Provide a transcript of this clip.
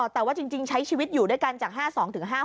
แต่ว่าจริงใช้ชีวิตอยู่ด้วยกันจาก๕๒๕๖